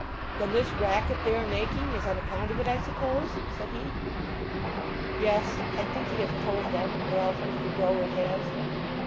"Then this racket they are making is on account of it, I suppose?" said he. "Yes—I think he has told them, or else Mr. Grower has....